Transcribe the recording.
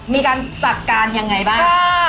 มีการจัดการยังไงบ้าง